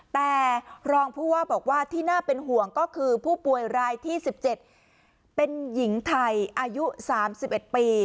แต่รองพุว่าบอกว่าที่น่าเป็นห่วงก็คือผู้ป่วยรายที่สิบเจ็ดเป็นหญิงไทยอายุสามสิบเอ็ดปี